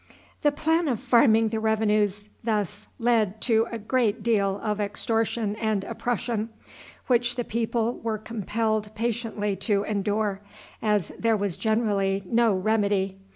The plan of farming the revenues thus led to a great deal of extortion and oppression, which the people were compelled patiently to endure, as there was generally no remedy.